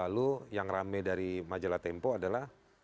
lalu yang rame dari majalah tempo adalah